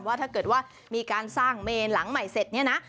ว่าถ้าเกิดว่ามีการสร้างเมนหลังใหม่เสร็จเนี่ยนะ